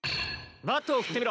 バットを振ってみろ。